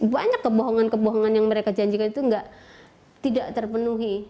banyak kebohongan kebohongan yang mereka janjikan itu tidak terpenuhi